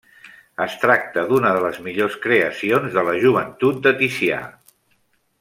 Es tracta d'una de les millors creacions de la joventut de Ticià.